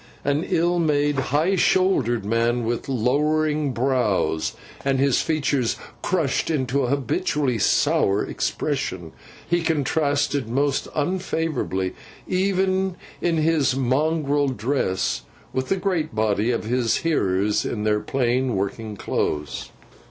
An ill made, high shouldered man, with lowering brows, and his features crushed into an habitually sour expression, he contrasted most unfavourably, even in his mongrel dress, with the great body of his hearers in their plain working clothes.